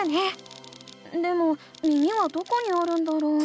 でも耳はどこにあるんだろう？